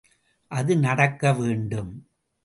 அது நடக்க வேண்டும்.